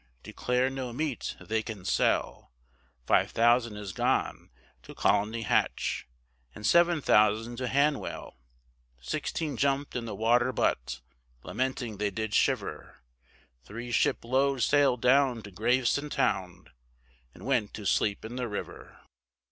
Declare no meat they can sell, Five thousand is gone to Colney Hatch, And seven thousand to Hanwell. Sixteen jumped in the water butt, Lamenting they did shiver, Three ship load sailed down to Gravesend town, And went to sleep in the river.